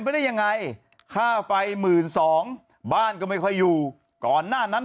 ไปได้ยังไงค่าไฟหมื่นสองบ้านก็ไม่ค่อยอยู่ก่อนหน้านั้น